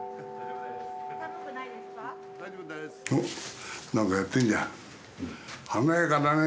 おっ何かやってんじゃん。